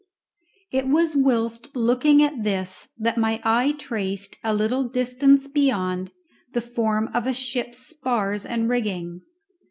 It was whilst looking at this that my eye traced, a little distance beyond, the form of a ship's spars and rigging.